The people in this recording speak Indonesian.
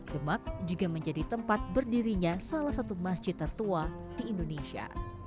demak juga menjadi tempat berdirinya salah satu masjid tertua di indonesia